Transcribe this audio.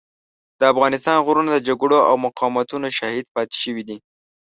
د افغانستان غرونه د جګړو او مقاومتونو شاهد پاتې شوي دي.